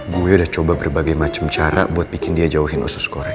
gue udah coba berbagai macam cara buat bikin dia jauhin usus korea